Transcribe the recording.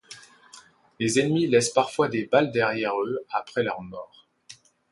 Les ennemis laissent parfois des balles derrière eux après leur mort.